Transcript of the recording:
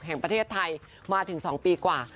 แห่งประเทศไทยมาถึง๒ปีกว่า